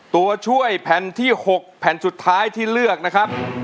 ตัวช่วยแผ่นที่๖แผ่นสุดท้ายที่เลือกนะครับ